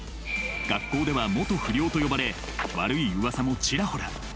学校では「元不良」と呼ばれ悪いうわさもちらほら。